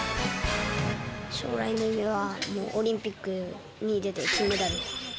将来の夢はオリンピックに出て金メダルを。